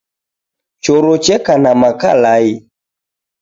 Choro cheka na makalai